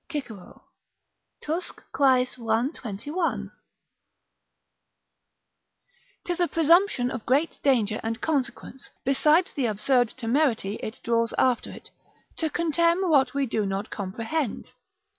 Cicero, Tusc. Quaes, i. 21.] 'Tis a presumption of great danger and consequence, besides the absurd temerity it draws after it, to contemn what we do not comprehend.